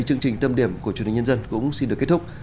chương trình tâm điểm của truyền hình nhân dân cũng xin được kết thúc